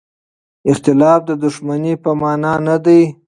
اختلاف د دښمنۍ په مانا نه دی.